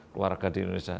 keluarga di indonesia